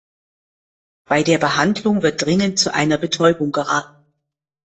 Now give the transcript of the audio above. Bei der Behandlung wird dringend zu einer Betäubung geraten.